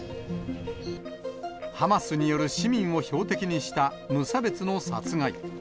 ハマスによる市民を標的にした無差別の殺害。